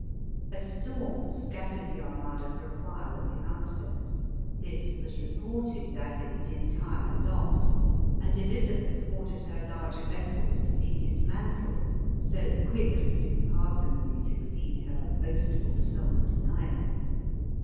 A storm scattered the armada for a while at the out set ; this was reported as its entire loss ; and Elizabeth ordered her larger vessels to be dismantled, so quickly did parsimony succeed her boastful self denial.